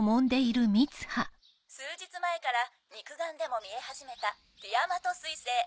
数日前から肉眼でも見え始めたティアマト彗星。